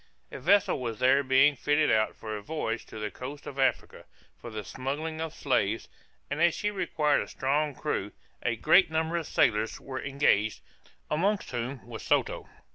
A vessel was there being fitted out for a voyage to the coast of Africa, for the smuggling of slaves; and as she required a strong crew, a great number of sailors were engaged, amongst whom was Soto.